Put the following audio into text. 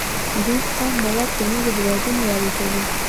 دوی خام مواد له نورو هیوادونو واردوي.